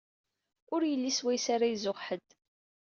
Ur yelli swayes ara izuxx ḥedd.